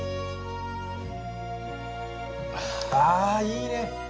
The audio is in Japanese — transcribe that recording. あいいね！